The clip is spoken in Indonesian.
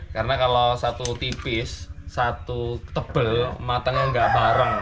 karena kalau satu tipis satu tebal matangnya nggak bareng